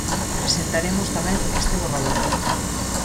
Presentaremos tamén este borrador.